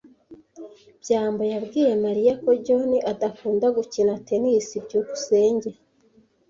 byambo yabwiye Mariya ko John adakunda gukina tennis. byukusenge